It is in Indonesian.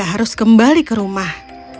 harus kembali ke rumah